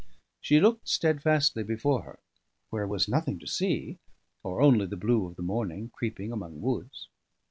She looked steadfastly before her; where was nothing to see, or only the blue of the morning creeping among woods.